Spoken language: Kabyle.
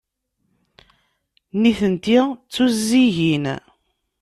Nitenti d tuzzigin.